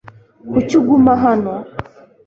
kuki uguma hano